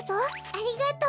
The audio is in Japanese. ありがとう。